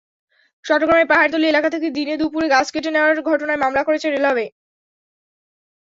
চট্টগ্রামের পাহাড়তলী এলাকা থেকে দিনে-দুপুরে গাছ কেটে নেওয়ার ঘটনায় মামলা করেছে রেলওয়ে।